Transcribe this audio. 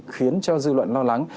khiến cho dư luận lo lắng